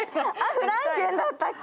フランケンだったけ？